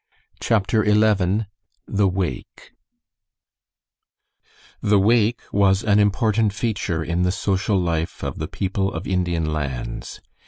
CHAPTER XI THE WAKE The wake was an important feature in the social life of the people of Indian Lands.